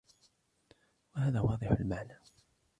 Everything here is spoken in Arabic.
وَهَذَا وَاضِحُ الْمَعْنَى